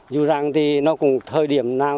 dù rằng thì nó cũng thời điểm nào